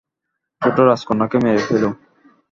ছোট রাজকন্যাকে মেরে ফেলো।